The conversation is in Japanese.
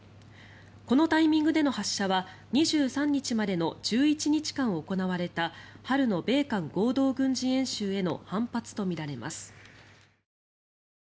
このタイミングでの発射は２３日までの１１日間行われた春の米韓合同軍事演習への反発とみられます。